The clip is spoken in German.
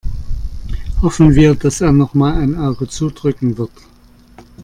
Hoffen wir, dass er nochmal ein Auge zudrücken wird.